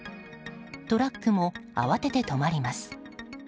トラックも慌てて止まります。